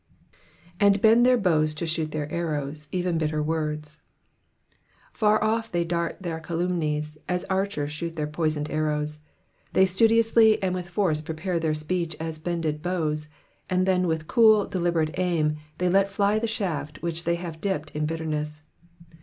^^And bend their oows to shoot their arrows, even hitter worded Far off they dart their calumnies, as archers shoot their poisoned arrows. They studiously and with force prepare their speech as bended bows, and then with cool, deliberate aim, they let fly the shaft which they have dipped in bitterness.